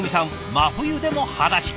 真冬でもはだし。